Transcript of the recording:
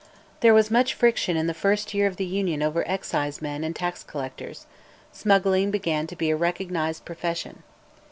There was much friction in the first year of the Union over excisemen and tax collectors: smuggling began to be a recognised profession.